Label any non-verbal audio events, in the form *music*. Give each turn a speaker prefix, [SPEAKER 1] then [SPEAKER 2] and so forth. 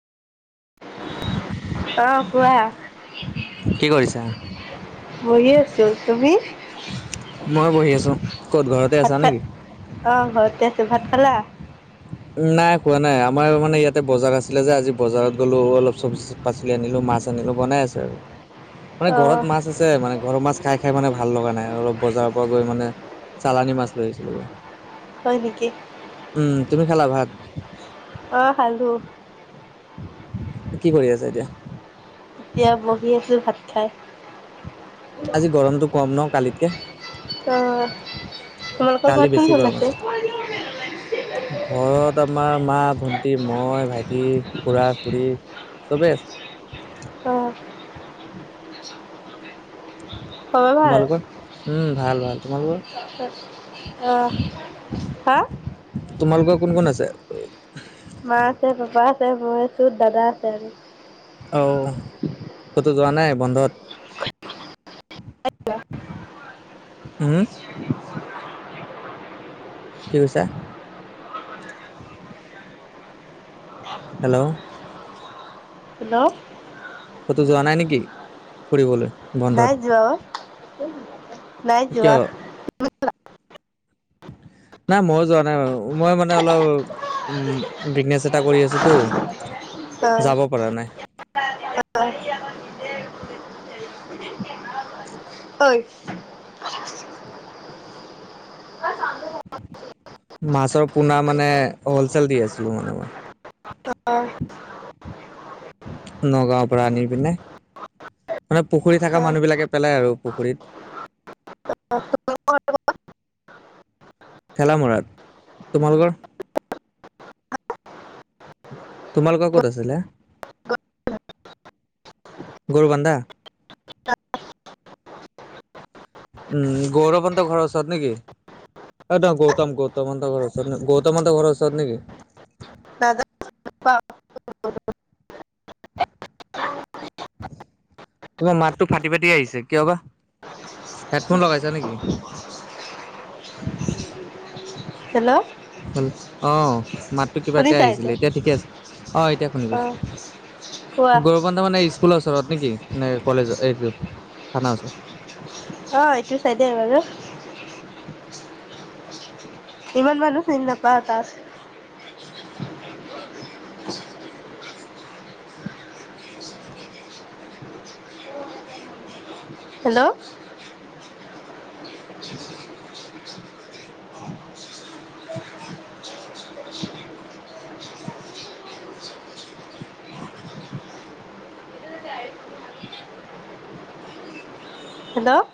[SPEAKER 1] অ কোৱা।
[SPEAKER 2] কি কৰিছা?
[SPEAKER 1] বহি আছো, তুমি?
[SPEAKER 2] মই বহি আছো, ক'ত ঘৰতে
[SPEAKER 1] ভাত
[SPEAKER 2] আছা নে
[SPEAKER 1] খা
[SPEAKER 2] কি?
[SPEAKER 1] অ ঘৰতে আছো, ভাত খালা?
[SPEAKER 2] নাই খোৱা নাই আমাৰ মানে ইয়াতে বজাৰ আছিলে যে আজি বজাৰত গ'লো অলপ চব্জি পাচলি আনিলো, মাছ আনিলো। বনাই আছে আৰু মানে ঘৰত
[SPEAKER 1] অ',
[SPEAKER 2] মাছ আছে তে মানে ঘৰৰ মাছ খাই খাই মানে ভাল লগা নাই। অলপ বজাৰৰ পৰা গৈ মানে চালানী মাছ লৈ আহিছিলোঁগৈ।
[SPEAKER 1] হয় নেকি?
[SPEAKER 2] উম, তুমি খালা ভাত?
[SPEAKER 1] অ খালোঁ।
[SPEAKER 2] কি কৰি আছা এতিয়া?
[SPEAKER 1] এতিয়া বহি আছো ভাত খাই।
[SPEAKER 2] আজি গৰমটো কম ন কালিতকে?
[SPEAKER 1] তোমালোক
[SPEAKER 2] কালি
[SPEAKER 1] ঘৰত
[SPEAKER 2] বেছি
[SPEAKER 1] কোন-কোন
[SPEAKER 2] গৰম আছিল।
[SPEAKER 1] আছে?
[SPEAKER 2] ঘৰত আমাৰ মা, ভণ্টী, মই, ভাইটি, খুৰা-খুৰী। চবে আছে।
[SPEAKER 1] অ। খবৰ ভাল
[SPEAKER 2] তোমালোকৰ? উম ভাল, ভাল। তোমালোকৰ?
[SPEAKER 1] অ, হা?
[SPEAKER 2] তোমালোকৰ কোন কোন আছে?
[SPEAKER 1] মা আছে, পাপা আছে, মই আছো, দাদা আছে আৰু।
[SPEAKER 2] অও, ক'তো যোৱা নাই বন্ধত? হুম? কি কৈছা? হেল্ল',
[SPEAKER 1] হেল্ল',
[SPEAKER 2] কতো যোৱা নাই নেকি ফুৰিবলৈ? বন্ধত?
[SPEAKER 1] নাই যোৱা অ, নাই
[SPEAKER 2] কিয়?
[SPEAKER 1] যোৱা।
[SPEAKER 2] নাই মইো যোৱা নাই, মই মানে অলপ উম, বিগনেছ এটা কৰি আছোতো
[SPEAKER 1] অ',
[SPEAKER 2] যাব পৰা নাই।
[SPEAKER 1] অই, *unintelligible*
[SPEAKER 2] মাছৰ পোনা মানে, হলচেল দি আছিলো মানে মই।
[SPEAKER 1] অ', *unintelligible*
[SPEAKER 2] নগাঁৱৰ পৰা আনি পিনে। মানে পুখুৰী থকা
[SPEAKER 1] অ',
[SPEAKER 2] মানুহবিলাকে পেলায় আৰু পুখুৰীত। ঠেলামৰাত, তোমালোকৰ? তোমালোকৰ ক'ত আছিলে, গৰু বানধা? উম, গৌৰৱন্ত ঘৰৰ ওচৰত নেকি? এদ গৌতম-গৌতমহতৰ ঘৰ ওচৰত ন গৌতমন্তৰ ঘৰ ওচৰত নেকি?
[SPEAKER 1] নাদা *unintelligible*
[SPEAKER 2] তোমাৰ মাতটো ফাটি-ফাটি আহিছে কিয় বা? হেডফোন লগাইছা নেকি?
[SPEAKER 1] হেল্ল',
[SPEAKER 2] হ অ, মাতটো কিবাকে আহিছিলে এতিয়া ঠিকে আছে অ, এতিয়া শুনি পাইছো।
[SPEAKER 1] অ', কোৱা
[SPEAKER 2] গৌৰহন্তে মানে স্কুলৰ ওচৰত নেকি নে কলেজৰ‌ এই এইটো। থানাৰ ওচৰত?
[SPEAKER 1] অ, এইটো চাই দিয়া বাৰু। ইমান মানুহ চিনি নাপাও তাত। Hello, *unintelligible* hello,